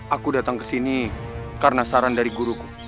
aku datang ke sini karena saran dari guruku